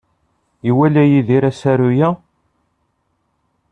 Iwala Yidir asaru-a?